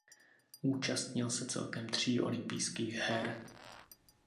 Účastnil se celkem tří olympijských her.